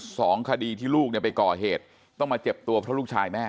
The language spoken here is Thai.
สองคดีที่ลูกเนี่ยไปก่อเหตุต้องมาเจ็บตัวเพราะลูกชายแม่